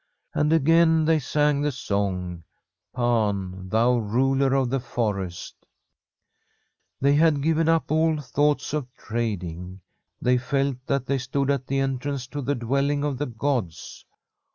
And again they sang the song, ' Pan, thou ruler of the forest !' They had given up all thoughts of trading. They felt that they stood at the entrance to the dwelling of the gods.